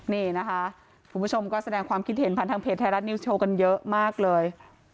นี่นะคะคุณผู้ชมก็แสดงความคิดเห็นผ่านทางเพจไทยรัฐนิวสโชว์กันเยอะมากเลย